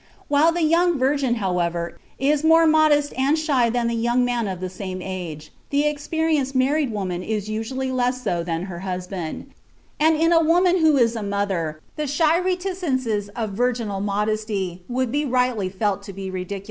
While the young virgin, however, is more modest and shy than the young man of the same age, the experienced married woman is usually less so than her husband, and in a woman who is a mother the shy reticences of virginal modesty would be rightly felt to be ridiculous.